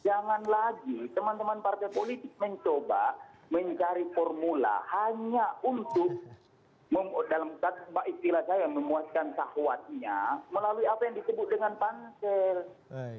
jangan lagi teman teman partai politik mencoba mencari formula hanya untuk dalam istilah saya memuaskan sahwatnya melalui apa yang disebut dengan pansel